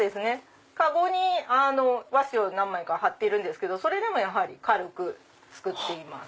籠に和紙を何枚か張ってるんですけどそれでもやはり軽く作っています。